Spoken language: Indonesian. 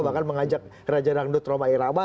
bahkan mengajak raja dangdut roma irama